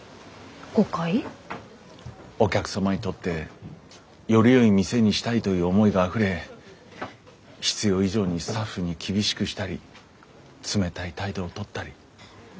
お客様にとってよりよい店にしたいという思いがあふれ必要以上にスタッフに厳しくしたり冷たい態度を取ったり。